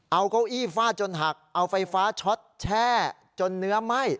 เอาเก้าอี้ฟาดจนหักเอาไฟฟ้าช็อตแช่จนเนื้อไหม้